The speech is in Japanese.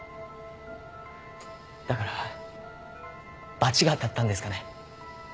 だから罰が当たったんですかね。